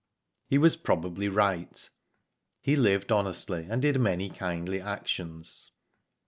He was probably right. He lived honestly and did many kindly actions.